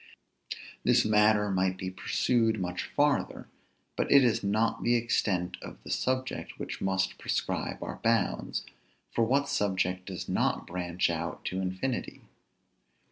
This matter might be pursued much farther; but it is not the extent of the subject which must prescribe our bounds, for what subject does not branch out to infinity?